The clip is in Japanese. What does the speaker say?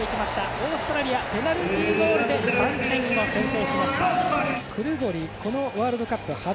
オーストラリアペナルティゴールで３点先制。